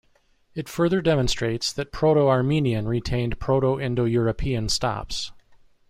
It further demonstrates that Proto-Armenian retained Proto-Indo-European stops.